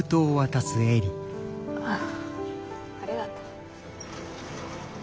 あありがとう。